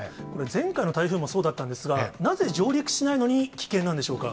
前回の台風もそうだったんですが、なぜ上陸しないのに危険なんでしょうか。